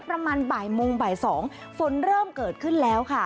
ประมาณบ่ายโมงบ่ายสองฝนเริ่มเกิดขึ้นแล้วค่ะ